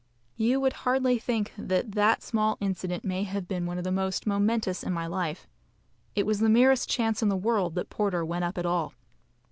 You would hardly think that that small incident may have been one of the most momentous in my life. It was the merest chance in the world that Porter went up at all.